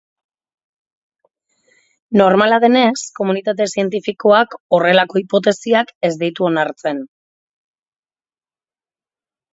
Normala denez, komunitate zientifikoak horrelako hipotesiak ez ditu onartzen.